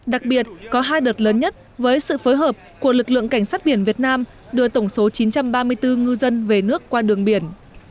đặc biệt có hai đợt lớn nhất với sự phối hợp của lực lượng cảnh sát biển việt nam đưa tổng số chín trăm ba mươi bốn ngư dân về nước qua đường biển